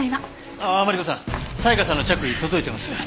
ああマリコさん沙也加さんの着衣届いてます。